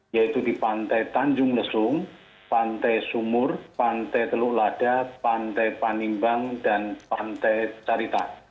yaitu di pantai tanjung lesung pantai sumur pantai teluk lada pantai panimbang dan pantai carita